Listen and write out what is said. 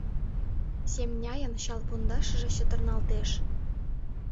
Семняйын чал пондашыже чытырналтеш.